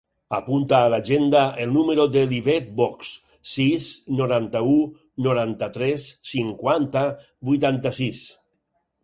Apunta a l'agenda el número de l'Ivet Box: sis, noranta-u, noranta-tres, cinquanta, vuitanta-sis.